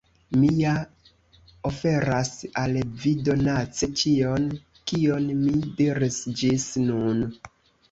Mi ja oferas al vi donace ĉion, kion mi diris ĝis nun.